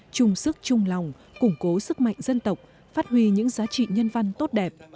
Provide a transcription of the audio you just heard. chung sức chung lòng củng cố sức mạnh dân tộc phát huy những giá trị nhân văn tốt đẹp